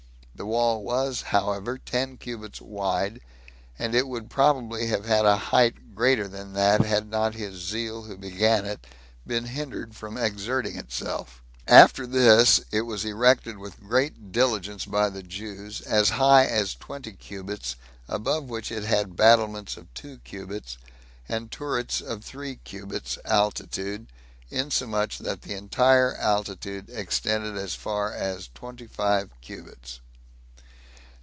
The wall was, however, ten cubits wide, and it would probably have had a height greater than that, had not his zeal who began it been hindered from exerting itself. After this, it was erected with great diligence by the Jews, as high as twenty cubits, above which it had battlements of two cubits, and turrets of three cubits altitude, insomuch that the entire altitude extended as far as twenty five cubits.